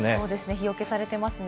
日よけされていますね。